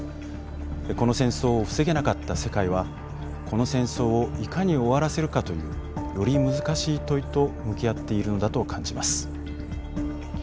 この戦争を防げなかった世界はこの戦争をいかに終わらせるかというより難しい問いと向き合っているのだと感じます。